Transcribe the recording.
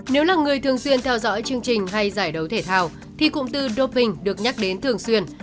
nếu là người thường xuyên theo dõi chương trình hay giải đấu thể thao thì cụm từ doping được nhắc đến thường xuyên